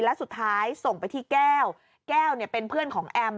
และสุดท้ายส่งไปที่แก้วแก้วเป็นเพื่อนของแอม